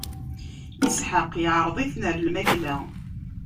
Isḥaq iɛreḍ-iten ɣer lmakla.